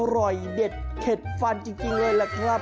อร่อยเด็ดเข็ดฟันจริงเลยล่ะครับ